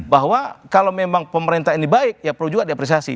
bahwa kalau memang pemerintah ini baik ya perlu juga diapresiasi